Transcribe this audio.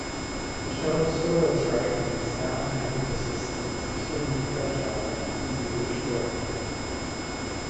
This shallow soil structure makes downland ecosystems extremely fragile and easy to destroy.